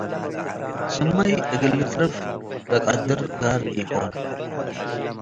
ስመይ እግል ልትረፍ ለቀድር ጋር ኢኮን ።